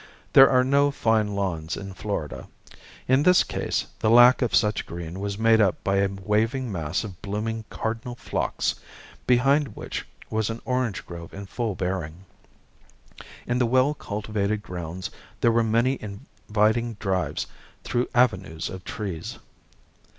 There are no fine lawns in Florida. In this case, the lack of such green was made up by a waving mass of blooming cardinal phlox, behind which was an orange grove in full bearing. In the well cultivated grounds there were many inviting drives through avenues of trees.